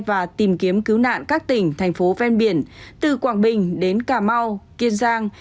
và tìm kiếm cứu nạn các tỉnh thành phố ven biển từ quảng bình đến cà mau kiên giang